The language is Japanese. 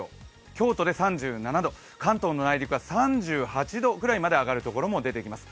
京都で３７度、関東の内陸は３８度ぐらいまで上がるところが出ています。